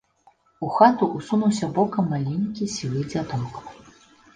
У хату ўсунуўся бокам маленькі сівы дзядок.